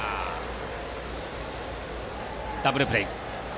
ダブルプレー。